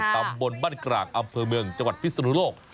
ตำบลบ้านกลางอำเภอเมืองจังหวัดพิศนุโลก